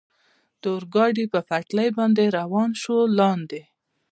د اورګاډي پر پټلۍ باندې روان شو، لاندې.